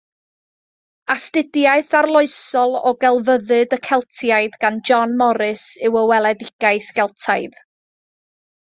Astudiaeth arloesol o gelfyddyd y Celtiaid gan John Morris yw Y Weledigaeth Geltaidd